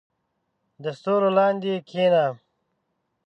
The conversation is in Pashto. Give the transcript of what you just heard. • د ستورو لاندې کښېنه.